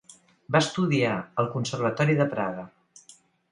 Va estudiar al Conservatori de Praga.